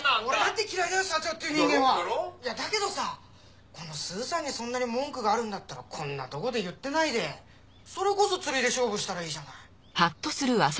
いやだけどさこのスーさんにそんなに文句があるんだったらこんなとこで言ってないでそれこそ釣りで勝負したらいいじゃない。